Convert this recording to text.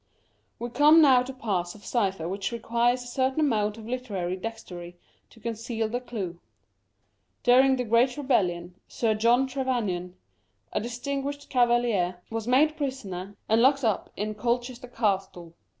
We come now to a class of cypher which requires a certain amount of literary dexterity to conceal the clue. During the Great Rebellion, Sir John Trevanion, a distinguished Cavalier," was made prisoner, and locked up in Colchester Castle.